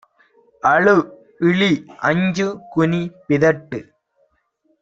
அழு! இளி! அஞ்சு! குனி! பிதற்று!